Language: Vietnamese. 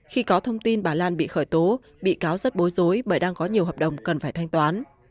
khi có thông tin bà lan bị khởi tố bị cáo rất bối rối bởi đang có nhiều hợp đồng cần phải thanh toán